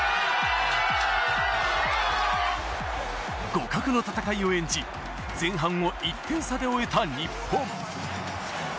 互角の戦いを演じ、前半を１点差で終えた日本。